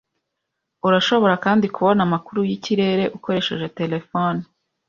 Urashobora kandi kubona amakuru yikirere ukoresheje terefone.